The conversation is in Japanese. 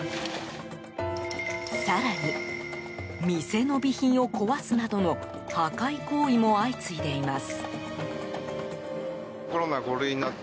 更に、店の備品を壊すなどの破壊行為も相次いでいます。